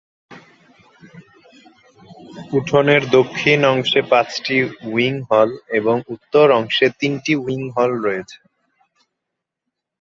উঠোনের দক্ষিণ অংশে পাঁচটি উইং হল এবং উত্তর অংশে তিনটি উইং হল রয়েছে।